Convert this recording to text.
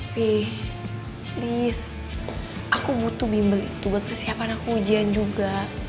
ph list aku butuh bimbel itu buat persiapan aku ujian juga